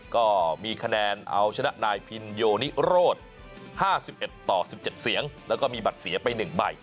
ก็มีคะแนนเอาชนะนายพินโยนิโรธ๕๑ต่อ๑๗เสียงแล้วก็มีบัตรเสียไป๑ใบ